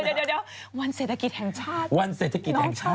เดี๋ยววันเศรษฐกิจแห่งชาติ